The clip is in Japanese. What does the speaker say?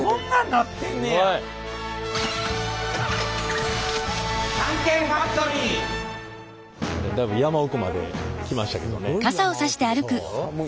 だいぶ山奥まで来ましたけどね。